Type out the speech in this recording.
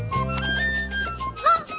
あっ！